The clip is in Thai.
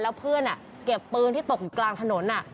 แล้วเพื่อนเก็บปืนที่ตกอยู่กลางถนน